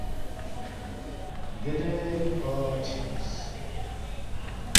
دیرے کھروا چھمس